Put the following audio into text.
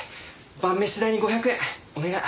晩飯代に５００円お願い。